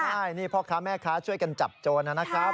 ใช่นี่พ่อค้าแม่ค้าช่วยกันจับโจรนะครับ